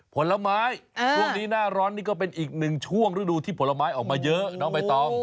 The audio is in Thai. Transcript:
ผลไม้ช่วงนี้หน้าร้อนนี่ก็เป็นอีกหนึ่งช่วงฤดูที่ผลไม้ออกมาเยอะน้องใบตอง